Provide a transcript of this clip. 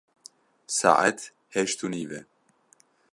Saet heşt û nîv e.